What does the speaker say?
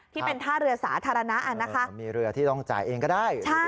ที่เป็นท่าเรือสาธารณะนะคะมีเรือที่ต้องจ่ายเองก็ได้